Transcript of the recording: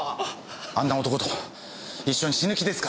あんな男と一緒に死ぬ気ですか？